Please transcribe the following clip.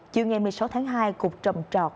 chiều ngày một mươi sáu tháng hai cục trầm trọt